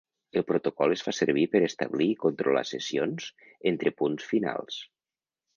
El protocol es fa servir per establir i controlar sessions entre punts finals.